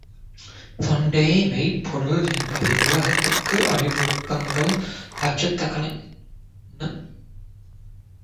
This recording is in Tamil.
தொண்டே மெய்ப் பொருள் என்பதை உலகத்துக்கு அறிவுறுத்துங்கள் லட்சக்கணக்கான மக்களின் நம்பிக்கைக்கு முன்னுதாரணமாக விளங்குங்கள்.